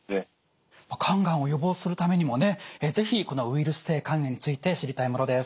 肝がんを予防するためにもね是非このウイルス性肝炎について知りたいものです。